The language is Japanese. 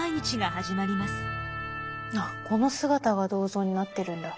あっこの姿が銅像になってるんだ。